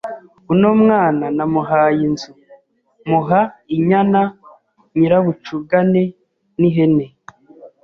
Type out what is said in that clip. uno mwana namuhaye inzu, muha inyana nyirabucugane n’ihene.